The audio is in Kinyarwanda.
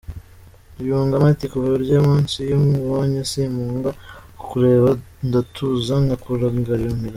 Yungamo ati"Kuva urya munsi iyo nkubonye simpuga kukureba ,ndatuza nkakurangamira .